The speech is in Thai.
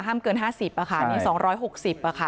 ห้ามเกินห้าสิบอะค่ะสายสองร้อยหกสิบอะค่ะ